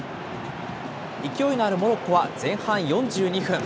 勢いのあるモロッコは、前半４２分。